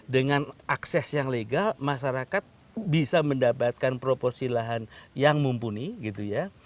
dengan akses yang legal masyarakat bisa mendapatkan proporsi lahan yang mumpuni gitu ya